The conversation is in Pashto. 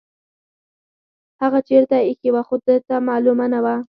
هغه چیرته ایښې وه خو ده ته معلومه نه وه.